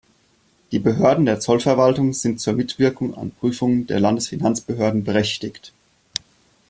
Die Behörden der Zollverwaltung sind zur Mitwirkung an Prüfungen der Landesfinanzbehörden berechtigt.